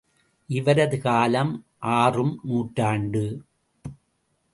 இவரது காலம் ஆறு ம் நூற்றாண்டு.